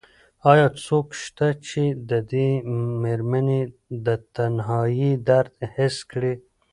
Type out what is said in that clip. ایا څوک شته چې د دې مېرمنې د تنهایۍ درد حس کړي؟